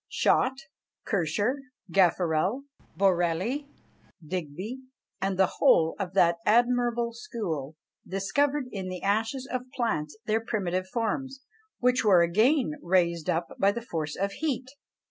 Schott, Kircher, Gaffarel, Borelli, Digby, and the whole of that admirable school, discovered in the ashes of plants their primitive forms, which were again raised up by the force of heat.